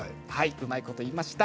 うまいこと言いました。